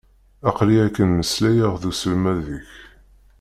Aql-iyi akken meslayeɣ d uselmad-ik.